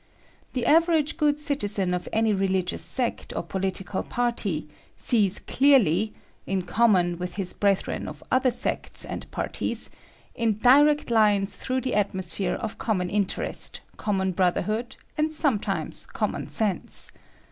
The average good citizen of any religious sect or political party sees clearly, in common with his brethren of other sects and parties, in direct lines through the atmosphere of com mon interest, common brotherhood, and some times common sense.